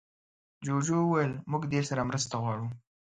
جوجو وویل موږ دې سره مرسته غواړو.